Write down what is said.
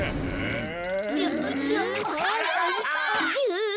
うん。